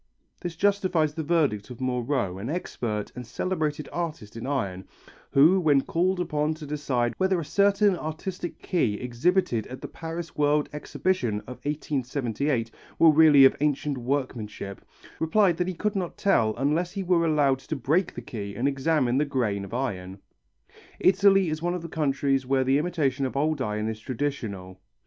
] This justifies the verdict of Moreau, an expert and celebrated artist in iron, who when called upon to decide whether a certain artistic key exhibited at the Paris World Exhibition of 1878 were really of ancient workmanship, replied that he could not tell unless he were allowed to break the key and examine the grain of iron. Italy is one of the countries where the imitation of old iron is traditional.